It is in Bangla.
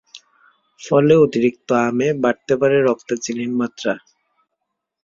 ফলে অতিরিক্ত আমে বাড়তে পারে রক্তে চিনির মাত্রা।